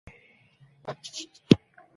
موږ باید د کورنۍ ټولو غړو لپاره محبت ښکاره کړو